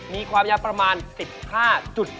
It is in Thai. มีความยาวประมาณ๑๕๗